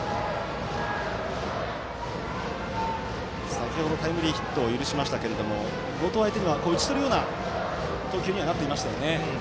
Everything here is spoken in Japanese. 先ほどタイムリーヒットを許しましたけど後藤相手には打ち取るような投球にはなっていましたよね。